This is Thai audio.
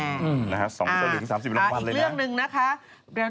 นะฮะ๒สลึง๓๐รางวัลเลยนะฮะอีกเรื่องหนึ่งนะคะ